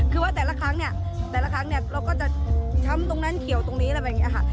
คือว่าแต่ละครั้งเนี่ยแต่ละครั้งเนี่ยเราก็จะช้ำตรงนั้นเขียวตรงนี้อะไรแบบนี้ค่ะ